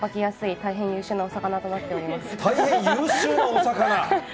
大変、優秀なお魚？